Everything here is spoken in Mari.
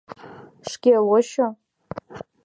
Шке лочо!..